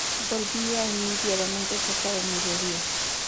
Volvía en mí diariamente cerca del mediodía.